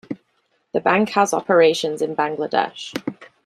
The bank has operations in Bangladesh.